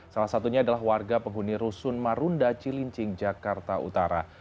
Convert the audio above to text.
salah satunya adalah warga penghuni rusun marunda cilincing jakarta utara